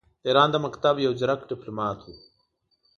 د ایران د مکتب یو ځیرک ډیپلوماټ وو.